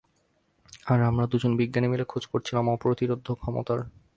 আর আমরা দুজন বিজ্ঞানী মিলে খোঁজ করছিলাম অপ্রতিরোধ্য ক্ষমতার।